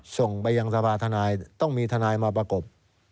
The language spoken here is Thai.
ส่งไปยังสภาธนายต้องมีทนายมาประกบ